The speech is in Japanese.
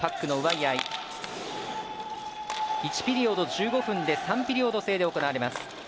１ピリオド１５分で３ピリオド制で行われます。